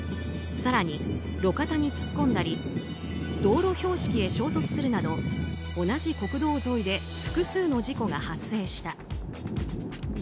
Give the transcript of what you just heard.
更に、路肩に突っ込んだり道路標識へ衝突するなど同じ国道沿いで複数の事故が発生した。